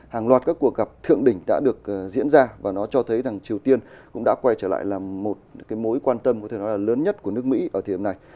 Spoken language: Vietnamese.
hàng loạt các cuộc gặp thượng đỉnh đã được diễn ra và nó cho thấy triều tiên cũng đã quay trở lại là một mối quan tâm lớn nhất của nước mỹ